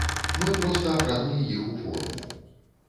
Мы проста апранулі іх у форму.